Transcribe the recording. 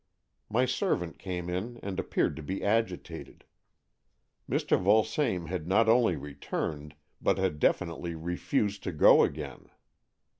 My servant came in and appeared to be agitated. Mr. Vulsame had not only returned, but had definitely refused to go again.